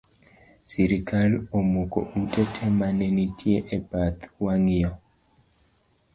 Sirikal omuko ute tee mane nitie e bath wang’ayo